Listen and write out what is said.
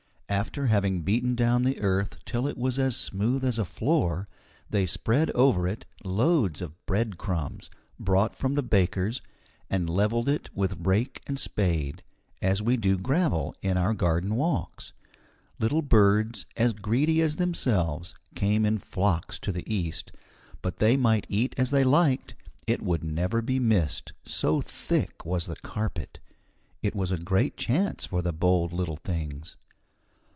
After having beaten down the earth till it was as smooth as a floor, they spread over it loads of bread crumbs, brought from the baker's, and levelled it with rake and spade, as we do gravel in our garden walks. Little birds, as greedy as themselves, came in flocks to the feast, but they might eat as they liked, it would never be missed, so thick was the carpet. It was a great chance for the bold little things.